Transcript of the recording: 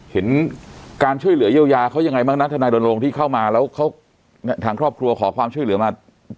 เห็นการช่วยเหลือเยียวยาเขายังไงบ้างนะทนายรณรงค์ที่เข้ามาแล้วเขาทางครอบครัวขอความช่วยเหลือมา